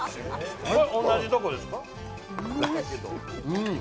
同じとこですか？